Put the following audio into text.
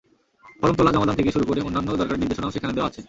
Form তোলা, জমাদান থেকে শুরু করে অন্যান্য দরকারি নির্দেশনাও সেখানে দেওয়া আছে।